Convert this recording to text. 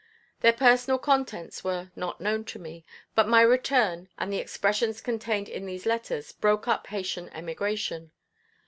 Their personal contents were not known to me, but my return and the expressions contained in these letters broke up Haytian emigration.